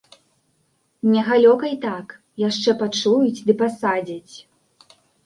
Не галёкай так, яшчэ пачуюць ды пасадзяць.